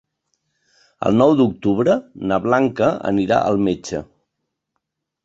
El nou d'octubre na Blanca anirà al metge.